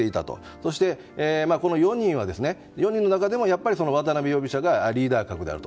そして、この４人の中でも渡辺容疑者がリーダー格であると。